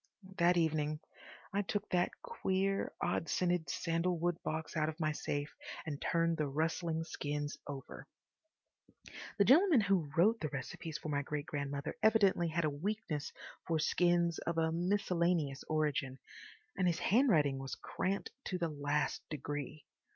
That evening I took that queer, odd scented sandalwood box out of my safe and turned the rustling skins over. The gentleman who wrote the recipes for my great grandmother evidently had a weakness for skins of a miscellaneous origin, and his handwriting was cramped to the last degree.